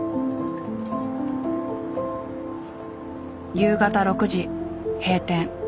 夕方６時閉店。